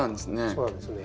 そうなんですよね。